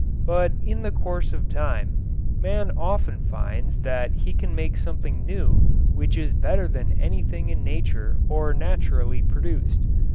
But in the course of time man often finds that he can make something new which is better than anything in nature or naturally produced.